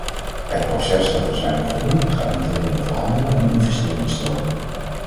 Het proces dat we zijn begonnen gaat niet alleen over handel en investeringsstromen.